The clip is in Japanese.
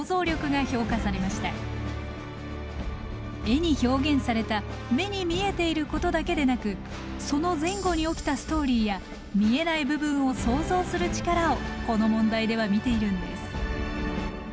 絵に表現された目に見えていることだけでなくその前後に起きたストーリーや見えない部分を想像する力をこの問題では見ているんです。